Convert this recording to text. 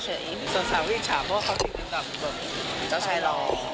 สงสัยว่าอิจฉาเพราะเขาพิกัดกับเจ้าชายหล่อ